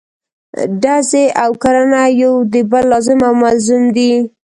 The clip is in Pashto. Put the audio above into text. ډزې او کرنه یو د بل لازم او ملزوم دي.